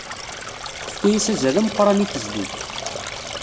Tefka-as azal ameqran i tezdeg.